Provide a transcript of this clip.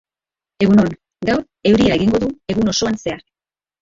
Egunon, gaur euria egingo du egun osoan zehar